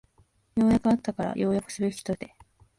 斯くあったから斯くすべしとして。